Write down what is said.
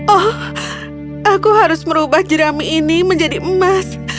oh aku harus merubah jerami ini menjadi emas